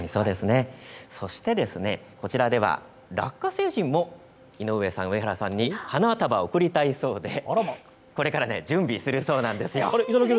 そして、こちらではラッカ星人も井上さん、上原さんに花束を贈りたいそうでこれから準備するそうなんです。